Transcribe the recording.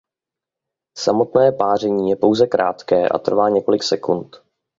Samotné páření je pouze krátké a trvá několik sekund.